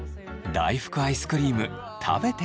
大福アイスクリーム食べてみます。